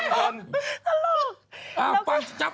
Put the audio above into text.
ตบปากกำลังเงิน